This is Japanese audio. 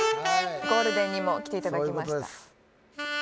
ゴールデンにも来ていただきました